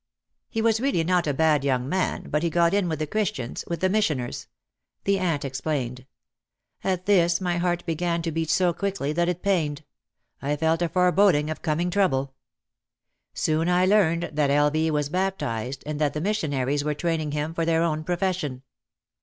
"He was really not a bad young man, but he got in with the Christians, with the missioners !" the aunt explained. At this my heart be gan to beat so quickly that it pained. I felt a foreboding of coming trouble. Soon I learned that L. V. was bap tised and that the missionaries were training him for their own profession.